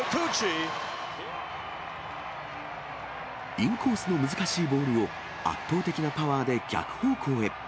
インコースの難しいボールを圧倒的なパワーで逆方向へ。